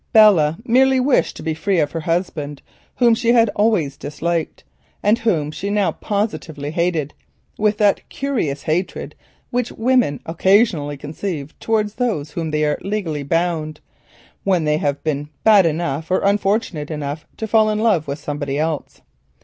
Belle merely wished to be free from her husband, whom she had always disliked, and whom she now positively hated with that curious hatred which women occasionally conceive toward those to whom they are legally bound, when they have been bad enough or unfortunate enough to fall in love with somebody else.